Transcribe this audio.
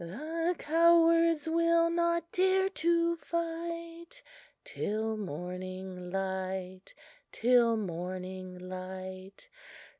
The cowards will not dare to fight Till morning break till morning break.